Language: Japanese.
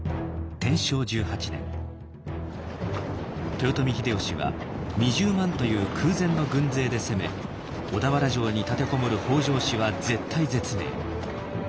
豊臣秀吉は２０万という空前の軍勢で攻め小田原城に立て籠もる北条氏は絶体絶命。